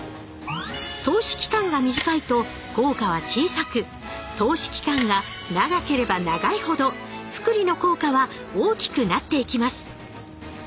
投資期間が短いと効果は小さく投資期間が長ければ長いほど複利の効果は大きくなっていきます